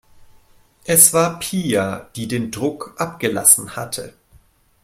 Es war Pia, die den Druck abgelassen hatte.